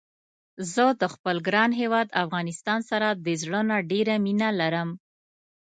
زه د خپل ګران هيواد افغانستان سره د زړه نه ډيره مينه لرم